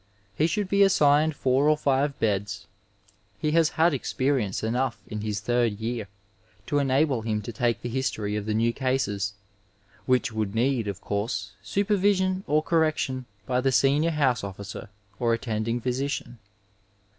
He should be assigned four or five beds. He has had experience enough in his third year to enable him to take the history of the new cases, which would need, of course, supervision or correction by the senior house ofiSicer or attending physician.